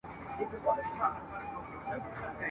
نوی ژوند نوی امید ورته پیدا سو ..